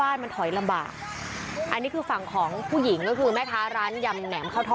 อีกไปกี้ไปนี่หน้าอย่างเงี้ยสักแล้วมันเป็นยังไง